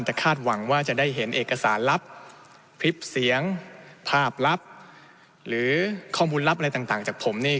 แต่คาดหวังว่าจะได้เห็นเอกสารลับคลิปเสียงภาพลับหรือข้อมูลลับอะไรต่างจากผมนี่